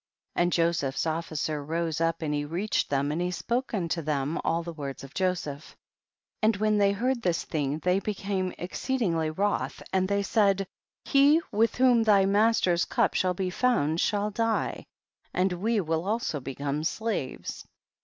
And Joseph's officer rose up and he reached them, and he spoke unto them all the words of Joseph ; and when thev heard this thing they became exceedingly wroth, and they said, he with whom thy master's cup shall be found shall die, and we will also become slaves.